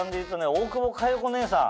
大久保佳代子姉さん